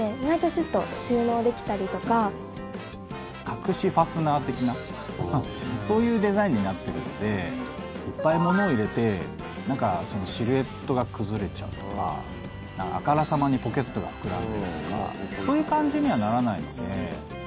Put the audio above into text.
隠しファスナー的なそういうデザインになっているのでいっぱい物を入れてシルエットが崩れちゃうとかあからさまにポケットが膨らむようなそういう感じにはならないので。